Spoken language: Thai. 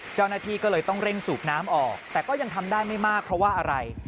เจ้าหน้าที่ก็เลยต้องเร่งสูบน้ำออกแต่ก็ยังทำได้ไม่มากเพราะว่าอะไร